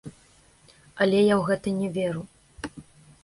Але я ў гэта не веру!